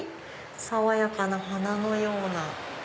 爽やかな花のような。